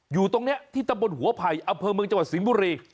อยู่ตรงนี้ที่ตำบลหัวไผ่อำเภอเมืองจังหวัดสิงห์บุรี